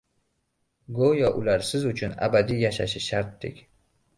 Go‘yo ular siz uchun abadiy yashashi shartdek.